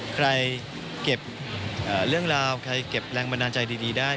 ใครเก็บเรื่องราวใครเก็บแรงบันดาลใจดีได้